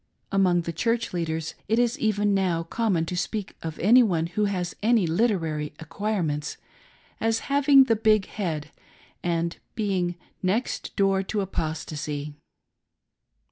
Among the Church leaders it is even now common to speak of any one who has any literary acquirements as " having the big head," and being " next door to apostacy."